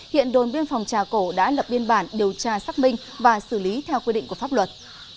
hiện đồn biên phòng trà cổ đã lập biên bản điều tra xác minh và xử lý theo quy định của pháp luật